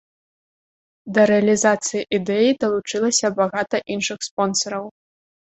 Да рэалізацыі ідэі далучылася багата іншых спонсараў.